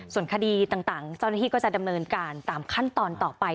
ส่วนคดีต่างเจ้าหน้าที่ก็จะดำเนินการตามขั้นตอนต่อไป